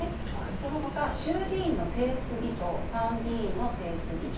その他、衆議院の正副議長参議院の正副議長